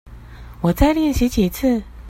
我再練習幾次